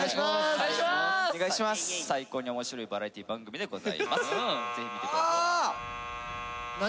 最高に面白いバラエティー番組でございます何？